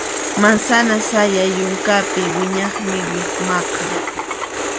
Mansana sayay yunkapi wiñaqmi lukmaqa.